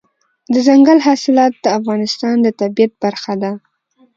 دځنګل حاصلات د افغانستان د طبیعت یوه برخه ده.